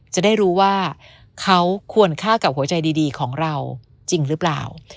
จะได้รู้ว่าเขาควรฆ่ากับหัวใจดีของเราจริงหรือเปล่า